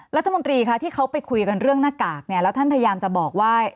รัฐมนตรีคะที่เขาไปคุยกันเรื่องหน้ากากเนี่ยแล้วท่านพยายามจะบอกว่า